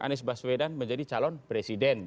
anies baswedan menjadi calon presiden